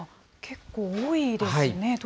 結構多いですね。